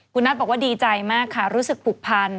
คุณนัทบอกว่าดีใจมากค่ะรู้สึกผูกพัน